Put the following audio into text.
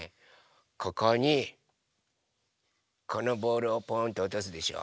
ここにこのボールをポンとおとすでしょ？